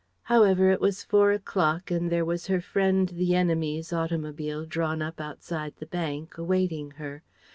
However, it was four o'clock, and there was her friend the enemy's automobile drawn up outside the bank, awaiting her.